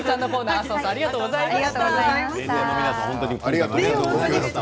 浅尾さんありがとうございました。